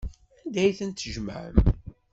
Anda ay tent-tjemɛem?